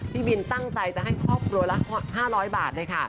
พี่บินตั้งใจจะให้ครอบครัวละ๕๐๐บาทเลยค่ะ